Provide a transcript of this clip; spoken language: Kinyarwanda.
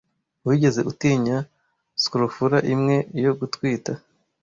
Wigeze utinya scrofula imwe yo gutwita?